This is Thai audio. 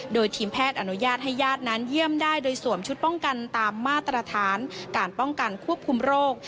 โดยทีมแพทย์อนุญาตให้ญาตินั้นเยี่ยมได้โดยสวมชุดป้องกันตามมาตรฐานการป้องกันควบคุมโรค